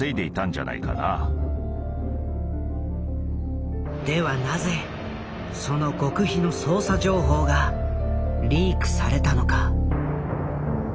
多分ではなぜその極秘の捜査情報がリークされたのか？